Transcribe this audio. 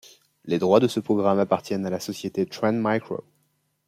Les droits de ce programme appartiennent à la société Trend Micro.